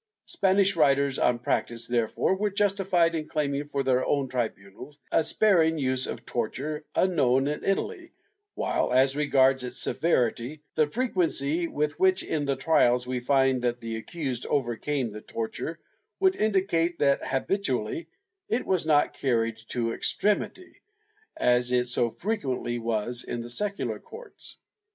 ^ Spanish writers on practice, therefore, were justi fied in claiming for their own tribunals a sparing use of torture unknown in Italy, while, as regards its severity, the frequency with which in the trials we find that the accused overcame the torture would indicate that habitually it was not carried to extremity, as it so frequently was in the secular courts.